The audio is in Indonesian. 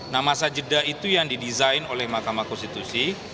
nah masa jeda itu yang didesain oleh mahkamah konstitusi